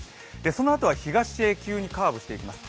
そのあとは東へ急にカーブしていきます。